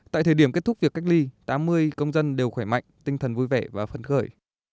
tại thời điểm kết thúc việc cách ly tám mươi công dân đều khỏe mạnh tinh thần vui vẻ và phân khởi